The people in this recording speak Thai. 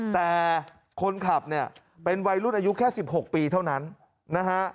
แต่คนขับเนี่ยเป็นวัยรุ่นอายุแค่๑๖ปีเท่านั้นนะฮะ